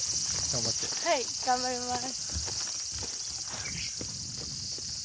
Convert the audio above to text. はい頑張ります。